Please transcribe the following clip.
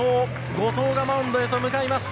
後藤がマウンドへと向かいます。